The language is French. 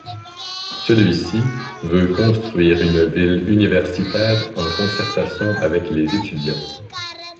Celui-ci veut construire une ville universitaire en concertation avec les étudiants.